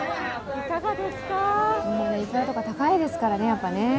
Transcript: いくらとか高いですからね、やっぱね。